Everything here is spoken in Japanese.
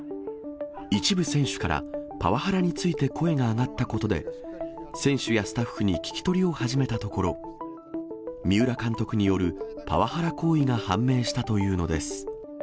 一部選手から、パワハラについて声が上がったことで、選手やスタッフに聞き取りを始めたところ、三浦監督によるパワハラ行為が判明したというのです。